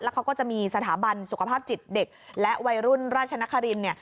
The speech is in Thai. เขาก็จะมีสถาบันสุขภาพจิตเด็กและวัยรุ่นราชนครินเนี่ย